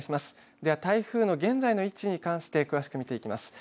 では台風の現在の位置に関して詳しく見ていきます。